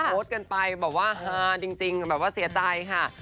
โพสต์กันไปแบบว่าฮาจริงแบบว่าเสียใจค่ะ